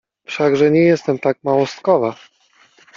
Wszakże nie jestem tak małostkowa!